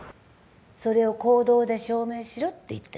それを行動で証明しろって言ってるんだよ。